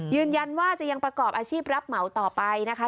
ยืนยันว่าจะยังประกอบอาชีพรับเหมาต่อไปนะคะ